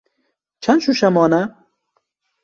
Çend şûşe mane?